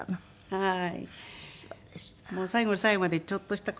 はい。